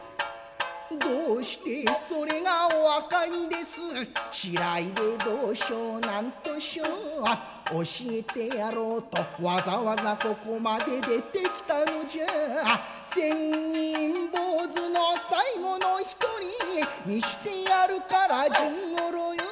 どうしてそれがお分かりですしらいでどうしょう何としよう教えてやろうとわざわざここまで出てきたのじゃ千人坊主の最後の一人見せてやるから甚五郎よ